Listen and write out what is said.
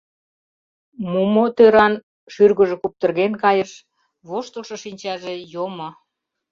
Мумо-тӧран шӱргыжӧ куптырген кайыш, воштылшо шинчаже йомо.